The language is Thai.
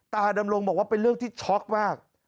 ดำรงบอกว่าเป็นเรื่องที่ช็อกมาก